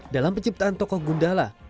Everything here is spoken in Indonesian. dalam penciptaan tokoh gundala